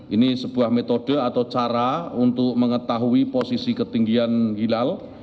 ini sebuah metode atau cara untuk mengetahui posisi ketinggian hilal